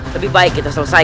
lebih baik kita selesai